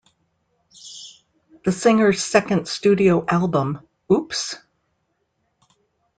The singer's second studio album, Oops!...